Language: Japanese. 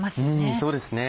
そうですね。